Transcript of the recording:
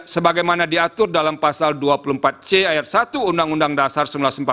sebagaimana diatur dalam pasal dua puluh empat c ayat satu undang undang dasar seribu sembilan ratus empat puluh lima